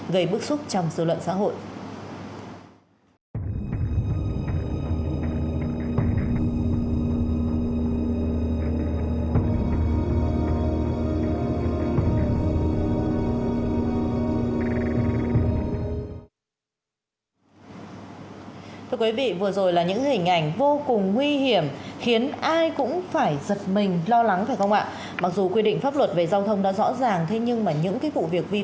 gây bức xúc trong dư luận xã hội